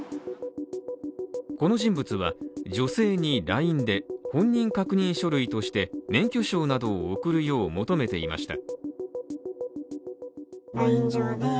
この人物は女性に、ＬＩＮＥで本人確認書類として免許証などを送るよう求めていました。